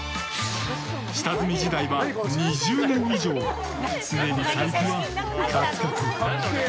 下積み時代は２０年以上常に財布はカツカツ。